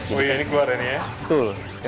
oh iya ini keluarnya ya